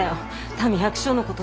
民百姓のこと